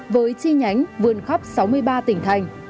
với chi nhánh vươn khắp sáu mươi ba tỉnh thành